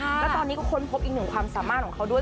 แล้วตอนนี้ก็ค้นพบอีกหนึ่งความสามารถของเขาด้วย